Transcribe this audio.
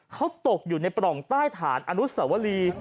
เขาตกอยู่ในปล่องใต้ฐานอนุสวรี